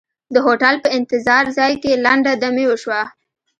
د هوټل په انتظار ځای کې لنډه دمې وشوه.